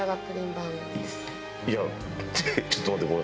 いやちょっと待って。